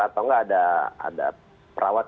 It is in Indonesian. atau enggak ada perawat